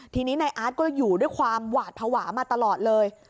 ทีนี้นายอาร์ตก็อยู่ด้วยความหวาดภาวะมาตลอดเลย